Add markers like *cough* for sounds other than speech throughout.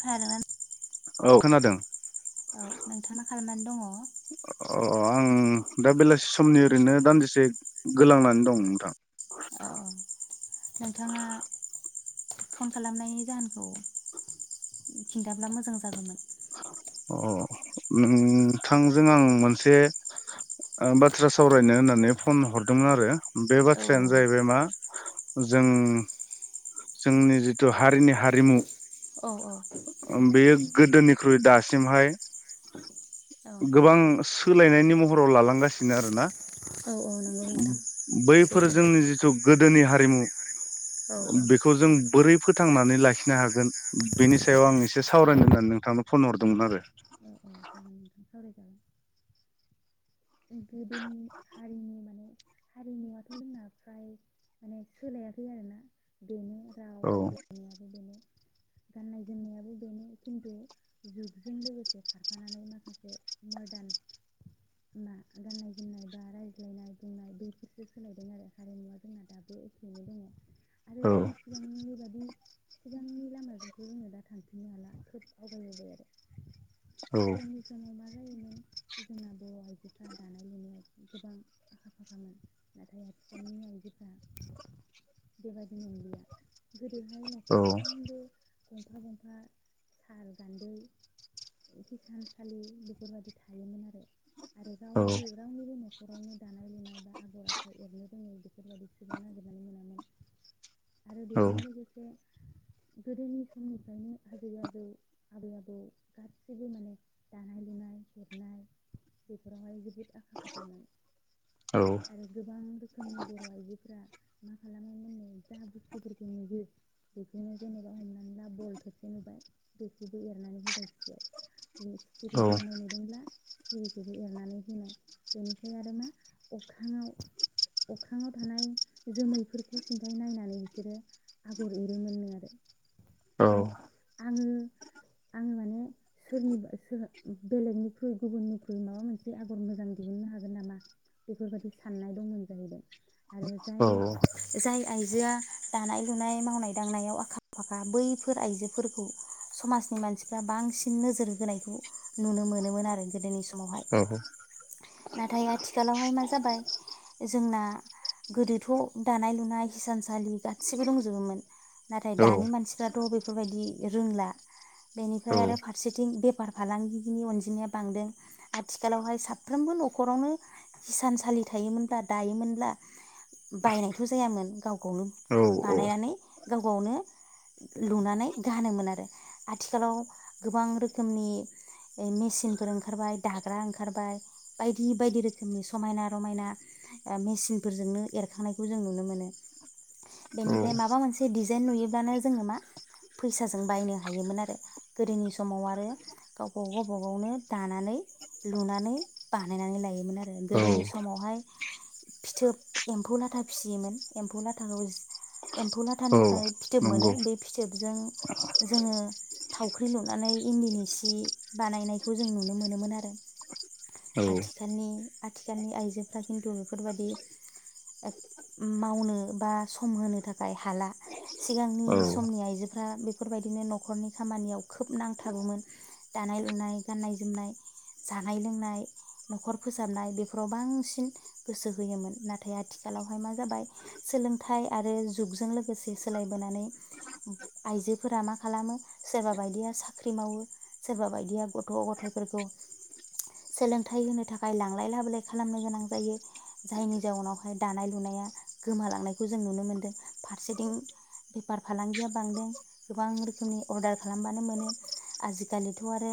खोनादोंना औ खोनादों औ नोंथाङा मा खालामनानै दङ अ आं दा बेलासि समनि ओरैनो दान्दिसे गोलांनानै दं नोंथां अ नोंथाङा फन खालामनायनि जाहोनखौ खिन्थाब्ला मोजां जागौमोन अ नोंथांजों आं मोनसे ओ बाथ्रा सावरायनो होननानै फन हरदोंमोन आरो बे औ बाथ्रायानो जाहैबाय मा जों जोंनि जिथु हारिनि हारिमु औ बेयो गोदोनिख्रुइ दासिमहाय औ गोबां सोलायनायनि महराव लालांगासिनो आरो ना औ औ नंगौ नोंथां बैफोर सैथो जोंनि जिथु गोदोनि हारि औ औ *unintelligible* बेखौ जों बोरै फोथांनानै लाखिनो हागोन बेनि सायाव आं एसे सावरायनो होननानै नोंथांनो फन हरदोंमोन आरो औ जागोन *inaudible* गोदोनि हारि फ्राय माने सोलायाखै आरोना बेनो राव औ रायज्लायनायाबो बेनो गाननाय जोमनायाबो बेनो खिन्थु जुगजों लोगोसे खारफानानै माखासे मदार्न मा गाननाय जोमनाय बा रायज्लायनाय बुंनाय बैफोरसो सोलायदों आरो हारिमुवा जोंना दाबो एखेयैनो दङ आरो औ जोङो सिगांनि बादि सिगांनि लामाजोंथ' जोङो दा थांफिननो हाला खोब आवगायबोबाय आरो औ सिगांनि समाव मा जायोमोन जोंना बर' आइजोफ्रा दानाय लुनायाव गोबां आखा फाखामोन नाथाय बेबायदि मोनलिया औ गंफा गंफा साल गान्दै हिसानसालि बेफोरबायदि थायोमोन आरो आरो औ रावबो रावनिबो न'खरावनो दानाय लुनाय बा आगर आखाइ एरनो रोङै बेफोरबायदि सुबुं नागिरनानै मोनामोन आरो औ बेजों लोगोसे गोदोनि समनिफ्रायनो आजै आजौ आबै आबौ गासिबो माने दानाय लुनाय हेबनाय बेफोरावहाय जोबोद आखा फाखामोन औ आरो गोबां रोखोमनि बर' आइजोफोरा मा खालामोमोननो जा बुस्थुफोरखौ नुयो बेखौनो जेनेबा हमनानै ला बल खेबसे नुबाय बेखौबो एरनानै होबाय सियाव बे सिखिरि औ बिरनाय नुदोंब्ला सिखिरिखौबो एरनानै होनाय बेनिफ्राय आरो मा अख्राङाव अख्राङाव थानाय जोमैफोरखौ सिन्थाय नायनानै बिसोरो आगर एरोमोननो आरो औ माने आङो आङो माने सोरनिबा सोर बेलेगनिख्रुइ गुबुननिख्रुइ माबा मोनसे आगर मोजां दिहुननो हागोन नामा बेफोरबायदि साननाय दंमोन जाहैदों आरो औ जाय जाय आइजोआ दानाय लुनाय मावनाय दांनायाव आखा फाखा बैफोर आइजोफोरखौ समाजनि मानसिफ्रा बांसिन नोजोर होनायखौ नुनो मोनोमोन आरो गोदोनि समाव आसामावहाय नाथाय आथिखालावहाय मा जाबाय जोंना गोदोथ' दानाय लुनाय हिसानसालि गासैबो दंजोबोमोन नाथाय दानि मानसिफ्राथ' बेफोर बेफोरबायदि रोंला बेनिफ्राय आरो फारसेथिं बेफार फालांगिनि अनजिमाया बांदों आथिखालावहाय साफ्रोमबो न'खरावनो हिसानसालि थायोमोनब्ला दायोमोनब्ला बायनायथ' जायामोन गाव गावनो बानायनानै गाव गावनो लुनानै गानोमोन आरो आथिखालाव गोबां रोखोमनि ओ मेसिनफोर ओंखारबाय दाग्रा ओंखारबाय बायदि बायदि रोखोमनि समायना रमायना ओ मेसिनफोरजोंनो एर दिखांनायखौ जों नुनो मोनो बेनिफ्राय माबा मोनसे डिजाइन नुयोब्लानो जोङो मा फैसाजों बायनो हायोमोन आरो गोदोनि समाव आरो गावबा गावबा गावनो दानानै लुनानै बानायनानै लायोमोन आरो गोदोनि समावहाय फिथोब एम्फौ लाथा फिसियोमोन एम्फौ लाथाखौ एम्फौ लाथानिफ्राय फिथोब मोनो नंगौ बे फिथोबजों जोङो थावख्रि लुनानै इन्दिनि सि बानायनायखौ जों नुनो मोनोमोन आरो औ आथिखालनि आथिखालनि आइजोफ्रा खिन्थु बेफोरबायदि मावनो बा सम होनो थाखाय हाला सिगांनि समनि आइजोफ्रा बेफोरबायदिनो न'खरनि खामानियाव खोब नांथाबोमोन दानाय लुनाय गाननाय जोमनाय जानाय लोंनाय न'खर फोसाबनाय बेफोराव बांसिन गोसो होयोमोन नाथाय नाथाय आथिखालावहाय मा जाबाय सोलोंथाइ आरो जुगजों लोगोसे सोलायबोनानै आइजोफोरा मा खालामो सोरबा बायदिया साख्रि मावो सोरबा बायदिया गथ' गथायफोरखौ सोलोंथाइ होनो थाखाय लांलाय लाबोलाय खालामनो गोनां जायो जायनि जाउनाव माय दानाय लुनाया गोमालांनायखौ जों नुनो मोनदों फारसेथिं बेफार फालांगिया बांदों गोबां रोखोमनि अर्डार खालामबानो मोनो आजिखालिथ' आरो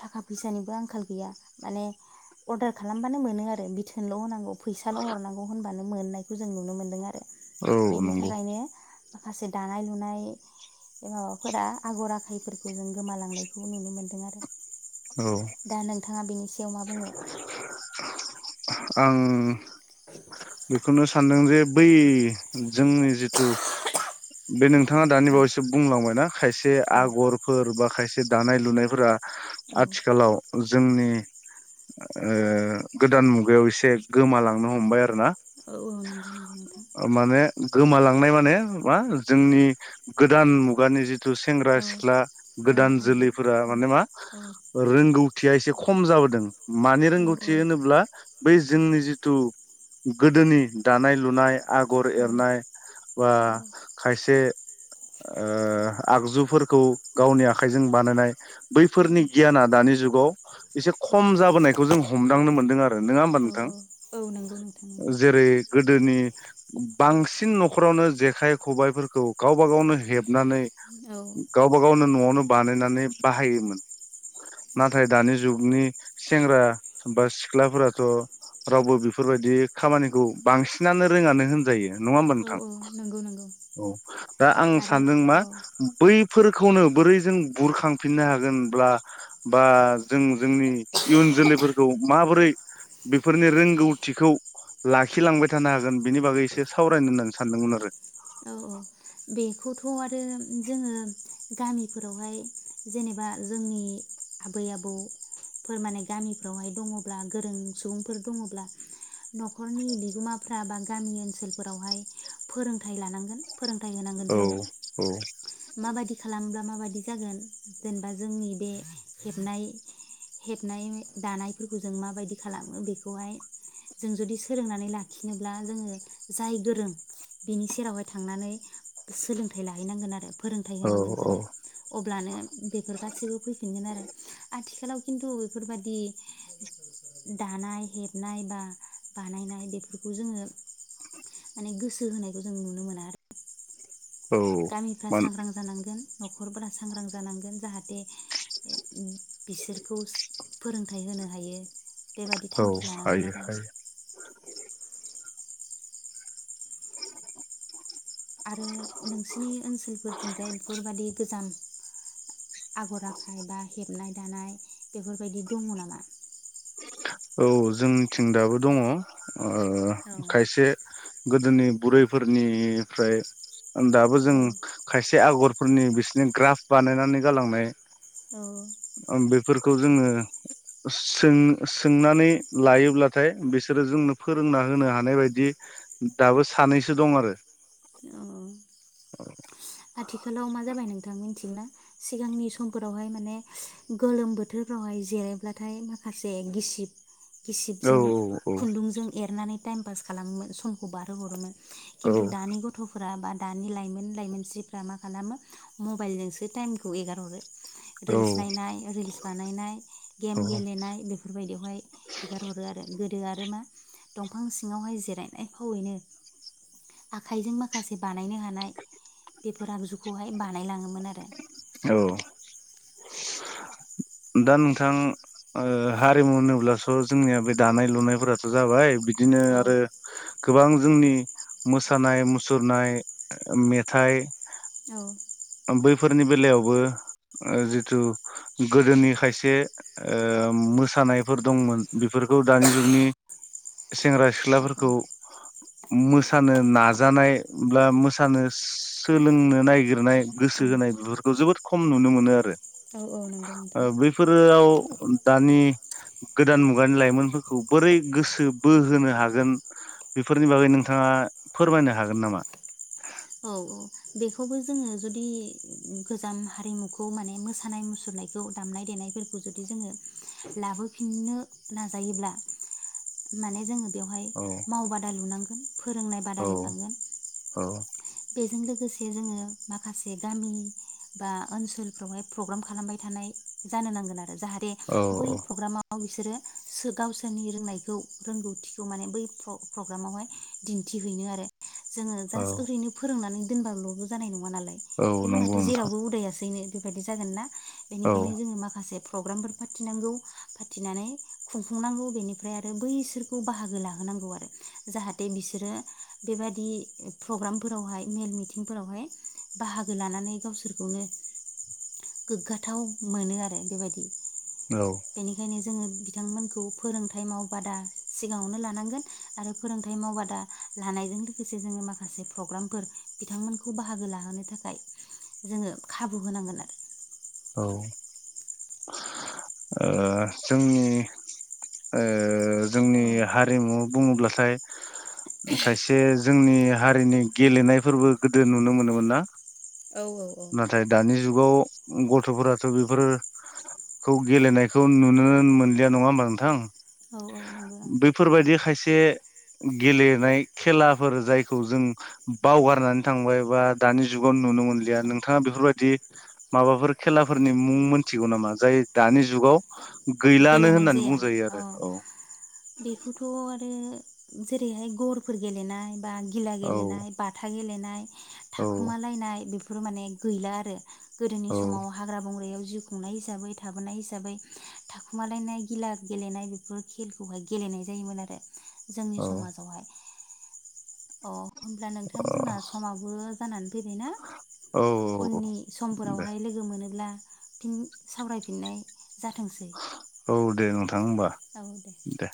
थाखा फैसानिबो आंखाल गैया माने अर्डार खालामबानो मोनो आरो बिथोनल' होनरनांगौ फैसाल' हरनांगौ। आब' होनबानो मोननायखौ जों नुनो मोनदों आरो बेनि थाखायनो माखासे दानाय लुनाय माबाफोरा आगर आखायफोरखौ जों गोमालांनायखौ नुनो मोनदों आरो दा नोंथाङा बेनि सायाव मा बुङो? आं *inaudible* बेखौनो सानदों जे बै जोंनि जिथु बे नोंथाङा दानि बावैसो बुंलांबायना खायसे औ आगरफोर बा खायसे दानाय लुनायफोरा औ आथिखालाव जोंनि ओ गोदान मुगायाव एसे गोमालांनो हमबाय आरो ना औ औ नंगौ नंगौ माने गोमालांनाय माने मा जोंनि गोदान मुगानि जि सेंग्रा औ सिख्ला औ गोदान आइजो जोलैफोरा औ माने मा औ रोंगौ थिया एसे खम जाबोदों। माने औ रोंगौथि होनोब्ला बै जोंनि जिथु गोदोनि दानाय लुनाय आगर एरनाय बा औ खायसे ओ आगजुफोरखौ गावनि आखाइजों बानायनाय बैफोरनि गियान दानि जुगाव एसे खम जाबोनायखौ जों हमदांनो मोनदों आरो नङा होमबा औ नोंथां औ नंगौ नोंथां नंगौ जेरै गोदोनि बांसिन न'खरावनो जेखाइ खबाइफोरखौ गावबा गावनो हेबनानै औ गावबा गावनो नवावनो बानायनानै बाहायोमोन नाथाय दानि जुगनि सेंग्रा बा सिख्लाफोराथ' रावबो बेफोरबायदि खामानिखौ बांसिनानो रोङानो होनजायो नङा होमबा औ नोंथां औ नंगौ नंगौ औ दा आं आरो सानदों मा औ बैफोरखौनो बोरै जों बुरखांफिननो हागोनब्ला बा जों जोंनि इयुन जोलैफोरखौ माबोरै बेफोरनि रोंगौथिखौ लाखिलांबाय थानो हागोन बिनि बागै एसे सावरायनो होननानै सानदोंमोन आरो औ औ बेखौथ' आरो जोङो गामिफोरावहाय जेनेबा जोंनि आबै आबौफोर माने गामिफ्रावहाय दङब्ला गोरों सुबुंफोर दङब्ला न'खरनि बिगोमाफ्रा बा गामि ओनसोलफोरावहाय फोरोंथाइ लानांगोन फोरों होनांगोन जोङो आरो माबायदि खामब्ला दा माबायदि जागोन जेनेबा जोंनि बे हेबनाय हेबनाय दानायफोरखौ जों माबायदि खालामो बेखौहाय जों जुदि सोलोंनानै लाखिनोब्ला जोङो जाय गोरों बिनि सेरावहाय थांनानै सोलोंथाइ लाहैनांगोन आरो फोरोंथाइ औ होनांगोन औ जोङो प्लानो बेफोर गासैबो फैफिनगोन आरो आथि आथिखालाव खिन्थु बेफोरबायादि दानाय हेबनाय बा बानायनाय बेफोरखौ जोङो माने गोसो होनायखौ जों नुनो मोना आरो औ गामिफ्रा मान सांग्रां जानांगोन न'खरफोरा सांग्रां जानांगोन जाहाथे बिसोरखौ फोरोंथाइ होनो हायो बेबादि औ थांखि लानांगोन हायो आरो हायो आरो नोंसिनि ओनसोलफोरथिंजाय बेफोरबादि गोजाम आगर आखाय बा हेबनाय दानाय बेफोरबायदि दङ नामा? औ जोंनिथिं दाबो दङ औ खायसे गोदोनि बुरैफोरनिफ्राय दाबो जों औ खायसे आगर फोरनि बिसिोरनि ग्राफ बानायनानै गालांनाय औ फोरखौ जोङो सों सोंनानै लायोब्लाथाय बिसोरो जोंनो फोरोंना होनो हानाय बायदि दाबो सानैसो दं आरो औ आथिखालाव मा जाबाय नोंथां मिथिगोना? सिगांनि समफोरावहाय माने गोलोम बोथोरफ्रावहाय जिरायब्लाथाय माखासे गिसिब औ गिसिबजों खुन्दुंजों एरनानै टाइम पास खालामोमोन समखौ बारहो हरोमोन औ खिनथु दानि गथ' फोर बा दानि लाइमोन लाइमोनस्रि फोरा मा खालामो मबाइलजोंसो टाइमखौ एगार हरो औ रिल्स नायनाय रिल्स बानायनाय औ गेम गेलेनाय बेफोरबायायदियावहाय हगारहरो आरो गोदो गोदो आरो मा दंफां सिङावहाय जिरायनाय फावैनो आखाइजों माखासे बानायनो हानाय बेफोर आगजुखौहाय बानायलाङो मोन आरो औ दा नोंथां हारिमु होनोब्लास' जोंनिया बे दानाय लुनायफोराथ' जाबाय बि बिदिनो औ आरो गोबां जोंनि मोसानाय मुसुरनाय मेथाइ औ बैफोरनि बेलायावबो जिथु गोदोनि खायसे मोसानायफोर दंमोन बेफोरखौ दानि जुगनि सेंग्रा सिख्लाफोरखौ मोसानो नाजानाय बा मोसानो सोलोंनो नागिरनाय औ गोसो होनाय बेफोरखौ जोबोद खम नुनो मोनो औ औ नंगौ नोंथां आरो बेफोराव दानि गोदान मुगानि लाइमोनफोरखौ बोरै गोसो बोहोनो हागोन बेफोरनि बागै नोंथाङा फोरमायनो हागोन नामा? औ औ बेखौबो जोङो जुदि गोजाम हारिमुखौ माने मोसानाय मुसुरनायखौ दामनाय देनायफोरखौ जुदि जोङो लाबोफिननो नाजायोब्ला माने जोङो बेवहाय औ मावबादा लुनांगौ नि फोरोंनाय बादा औ लुनांगोन औ बेजों लोगोसे जोङो माखासे गामि बा ओनसोलफ्रावहाय प्रग्राम खालामबाय थानाय जानो नांगोन आरो जाहाथे बै औ प्रग्रामाव बिसोरो गावसोरनि रोंनायखौ रोंगौथिखौ माने बै प्रग्रामावहाय दिन्थिहैनो आरो जोंङो औ जास्ट ओरैनो नानै दोनबाल जानाय नङा नालाय औ बे नंगौ माथो नोंथां जेरावबो उदायसैनो बेबायदि जागोन ना औ बेनिखायनो जोङो माखासे प्रग्रामफोर फाथिनांगौ फाथिनानै खुंफुंनांगौ बेनिफ्राय आरो बैसोरखौ बाहागो लाहोनांगौ आरो जाहाथे बिसोरो बेबादि प्रग्राम फोरावहाय मेल मिथिंफोरावहाय बाहागो लानानै गावसोरखौनो गोग्गाथाव मोनो आरो बेबायदि औ बेनिखायनो जोङो बिथांमोनखौ फोरोंथाइ मावबादा सिगाङावनो लानांगोन आरो फोरोंथाइ मावबादा लानायजों लोगोसे जोङो माखासे प्रग्रामफोर बिथांमोनखौ बाहागो लाहोनो थाखाय जोङो खाबु होनांगोन आरो औ ओ जोंनि ओ जोंनि औ हारिमु बुङोब्लाथाय खायसे जोंनि हारिनि गेलेनायफोरबो गोदो नुनो मोनोमोन ना औ औ औ नाथाय दानि जुगाव गथफोराथ‌ बेफोरखौ गेलेनायखौ नुोनो मोनलिया नङा होमबा नोंथां औ औ नंगौ नंगौ बैफोरबायदि खायसे गेलेनाय खेलाफोर जायखौ जों बावगारनानै थांबाय बा दानि जुगाव नुनो मोनलिया नोंथाङा बेफोरबायदि माबाफोर खेलाफोरनि मुं मोनथिगौ नामा जाय दानि जुगाव गैलानो गेलेनाय होननानै जाया बुंजायो औ आरो बेखौथ आरो जेरैहाय गरफोर गेलेनाय बा गिला औ गेलेनाय बाथा गेलेनाय नाय औ थाखोमालायनाय बेफोर बेफोर माने गैला आरो गोदोनि औ समाव हाग्रा बंग्रायाव जिउ खुंनाय हिसाबै थाबोनाय हिसाबै थाखुमालायनाय गिला गेलेनाय बेफोर खेलखौहाय गेलेनाय जायोमोन आरो जोंनि औ समाजावहाय अ होमब्ला नोंथां जोंना समाबो जानानै फैबायना औ उननि दे समफोरावहाय लोगो मोनोब्ला सावरायफिननाय जाथोंसै औ *unintelligible* होमबा दे